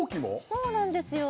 そうなんですよ